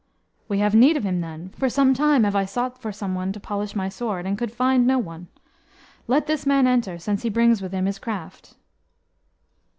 "We have need of him then. For some time have I sought for some one to polish my sword, and could find no one. Let this man enter, since he brings with him his craft."